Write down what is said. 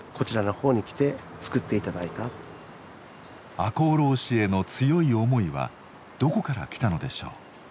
赤穂浪士への強い思いはどこから来たのでしょう？